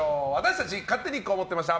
勝手にこう思ってました！